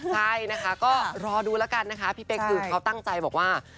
ใช่นะคะก็รอดูแล้วกันนะคะพี่เป๊กคือเขาตั้งใจบอกว่า